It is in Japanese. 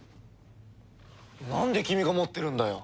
なんで君が持ってるんだよ！